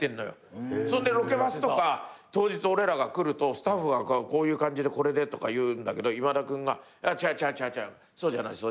そんでロケバスとか当日俺らが来るとスタッフが「こういう感じでこれで」とか言うんだけど今田君が「ちゃうちゃうそうじゃないそうじゃない」